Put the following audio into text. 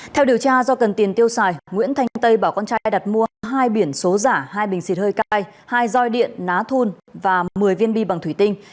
theo điều tra do cần tiền tiêu xài nguyễn thanh tây bảo con trai đặt mua hai biển số giả hai bình xịt hơi cay hai roi điện ná thun và một mươi viên bi bằng thủy tinh